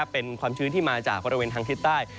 เป็นความชื้นที่มาจากบริเวณทางทิศใต้